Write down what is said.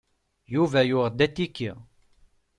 Yuba yuɣ-d atiki.